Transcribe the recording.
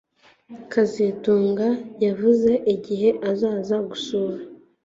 kazitunga yavuze igihe azaza gusura